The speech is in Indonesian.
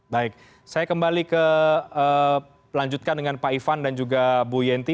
baik saya kembali ke lanjutkan dengan pak ivan dan juga bu yenty